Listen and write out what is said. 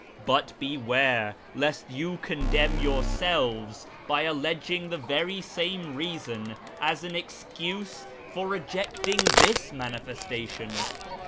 But beware lest you condemn yourselves by alleging the very same reason as an excuse for rejecting this ' manifestation.'